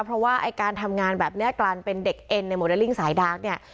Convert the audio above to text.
เพราะว่าไอ้การทำงานแบบนี้กลายเป็นเด็กเอ็นในโมเดลลิ่งสายดาร์กเนี่ย